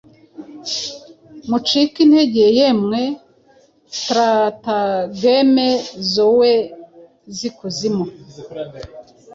Mucike intege, yemwe tratageme zoe zikuzimu,